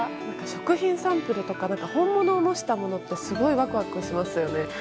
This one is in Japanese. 食品サンプルとか本物を模したものってすごいワクワクしますよね。